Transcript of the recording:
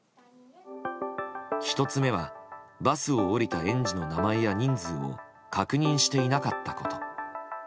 １つ目は、バスを降りた園児の名前や人数を確認していなかったこと。